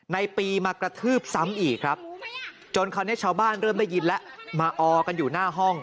ในปีมากระทืบซ้ำอีกครับจนคราวนี้ชาวบ้านเริ่มได้ยินแล้วมาออกันอยู่หน้าห้อง